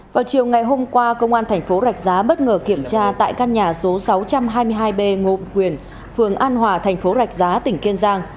vào chiều ngày hôm qua công an tp rạch giá bất ngờ kiểm tra tại căn nhà số sáu trăm hai mươi hai b ngộ quyền phường an hòa tp rạch giá tỉnh kiên giang